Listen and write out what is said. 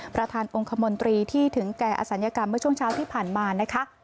ประธานองค์คมนตรีที่ถึงแก่อศัลยกรรมเมื่อช่วงเช้าที่ผ่านมานะคะ